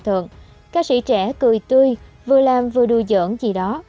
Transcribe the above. các ca sĩ trẻ cười tươi vừa làm vừa đùa giỡn gì đó